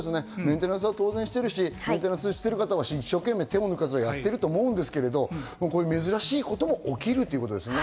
メンテナンスをしてる方は一生懸命、手を抜かずにやってると思うんですけど、珍しいことも起きるということですね。